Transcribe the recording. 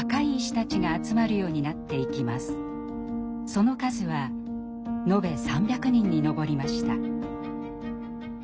その数は延べ３００人に上りました。